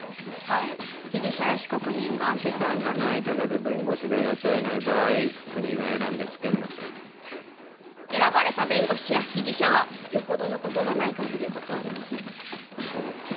はい被疑者や被告人が資産がないとかで弁護士が雇えない場合国が選んでつけんのさ選ばれた弁護士や被疑者はよほどのことがないかぎり断れませんそうなんだ